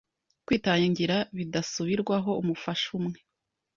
kwitangira bidasubirwaho umufasha umwe